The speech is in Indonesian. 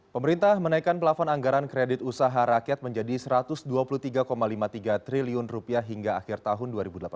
pemerintah menaikkan pelafon anggaran kredit usaha rakyat menjadi rp satu ratus dua puluh tiga lima puluh tiga triliun hingga akhir tahun dua ribu delapan belas